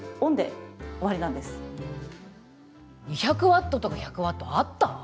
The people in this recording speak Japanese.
２００ワットとか１００ワットあった？